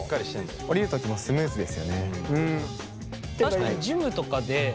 下りる時もスムーズですよね。